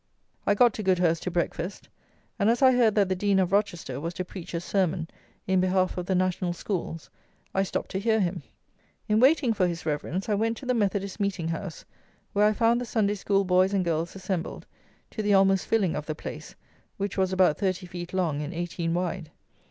I got to Goudhurst to breakfast, and as I heard that the Dean of Rochester was to preach a sermon in behalf of the National Schools, I stopped to hear him. In waiting for his Reverence I went to the Methodist Meeting house, where I found the Sunday School boys and girls assembled, to the almost filling of the place, which was about thirty feet long and eighteen wide.